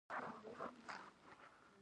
هڅه وکړئ چې خپل اصلي لیکوالان وپېژنئ.